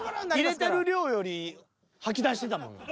入れてる量より吐き出してたもん。